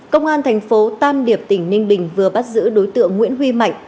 công an thành phố tam điệp tỉnh ninh bình vừa bắt giữ đối tượng nguyễn huy mạnh